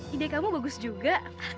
ide kamu bagus juga